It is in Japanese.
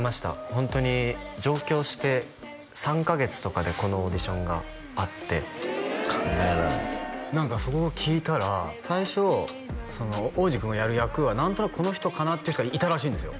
ホントに上京して３カ月とかでこのオーディションがあって考えられへん何かそこを聞いたら最初央士君のやる役は何となくこの人かなって人がいたらしいんですよ